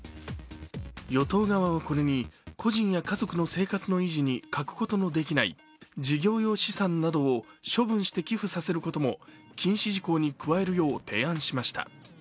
与党側はこれに、個人や家族の生活の維持に欠くことのできない事業用資産などを処分して寄付させることも禁止事項に加えるよう提案しました。